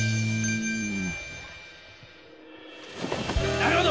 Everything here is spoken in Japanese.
⁉なるほど！